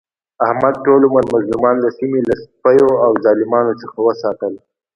احمد ټول عمر مظلومان د سیمې له سپیو او ظالمانو څخه وساتل.